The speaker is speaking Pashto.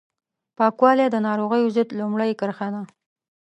پاکوالی د ناروغیو ضد لومړۍ کرښه ده